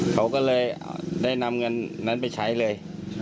เขาก็เลยได้นำเงินนั้นไปใช้เลย